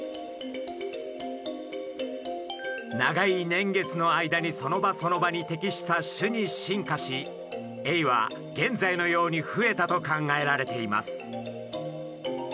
長い年月の間にその場その場に適した種に進化しエイは現在のように増えたと考えられています。